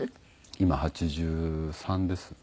今８３ですね。